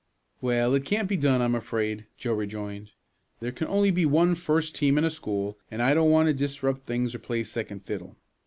"Well, it can't be done I'm afraid," Joe rejoined. "There can only be one first team in a school, and I don't want to disrupt things or play second fiddle.